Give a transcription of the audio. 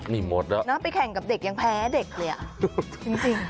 นี่หมดแล้วนะไปแข่งกับเด็กยังแพ้เด็กเลยอ่ะจริง